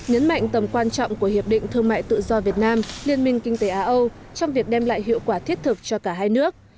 nhấn mạnh tầm quan trọng của hiệp định thương mại tự do việt nam liên minh kinh tế á âu trong việc đem lại hiệu quả thiết thực cho cả hai nước